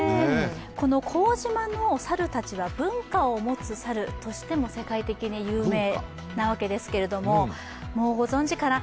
この幸島の猿たちは、文化を持つ猿としても世界的に有名なわけですけれどももうご存じかな？